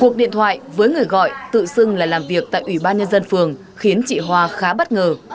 cuộc điện thoại với người gọi tự xưng là làm việc tại ubnd phường khiến chị hoa khá bất ngờ